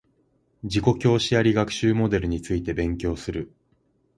自己教師あり学習モデルについて勉強する